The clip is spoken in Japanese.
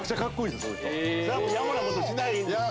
それはもう野暮なことしないんですか？